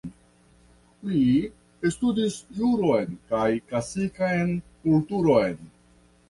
Li studis juron, kaj klasikan kulturon.